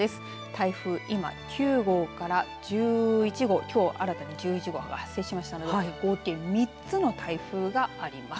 台風、今９号から１１号、きょう新たに１１号が発生しましたので合計３つの台風があります。